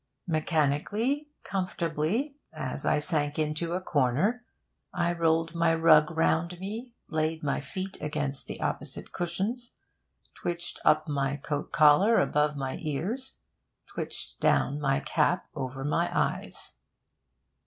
Mechanically, comfortably, as I sank into a corner, I rolled my rug round me, laid my feet against the opposite cushions, twitched up my coat collar above my ears, twitched down my cap over my eyes.